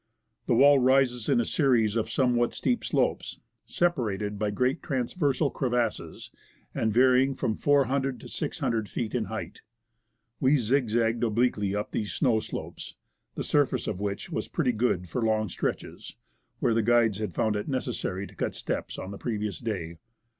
The wall rises in a series of somewhat steep slopes, separated by great transversal crevasses, and varying from 400 to 600 feet in height. We zig zagged obliquely up these 147 THE ASCENT OF MOUNT ST. ELIAS snow slopes, the surface of which was pretty good for long stretches, where the guides had found it necessary to cut steps on the pre vious day.